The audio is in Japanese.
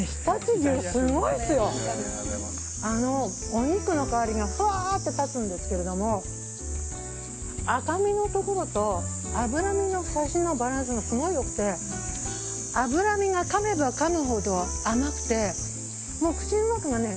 お肉の香りがふわーっと立つんですけど赤身のところと脂身のサシのバランスがすごい良くて脂身がかめばかむほど甘くてもう口の中がね